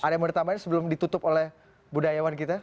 ada yang mau ditambahin sebelum ditutup oleh budayawan kita